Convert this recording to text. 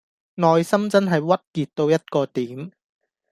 內心真係鬱結到一個點